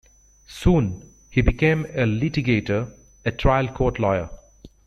Soon, he became a litigator, a trial court lawyer.